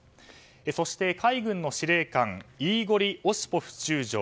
そして海軍の司令官イーゴリ・オシポフ中将。